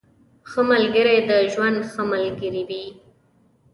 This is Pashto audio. ښه ملګري د ژوند ښه ملګري وي.